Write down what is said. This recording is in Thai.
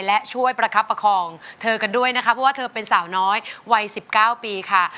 และช่วยประคับประคองเธอกันด้วยนะคะเพราะว่าเธอเป็นสาวน้อยวัย๑๙ปีค่ะ